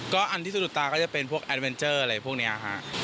ก็อันที่สะดุดตาก็จะเป็นพวกแอดเวนเจอร์อะไรพวกนี้ฮะ